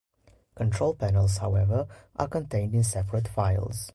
Control panels, however, are contained in separate files.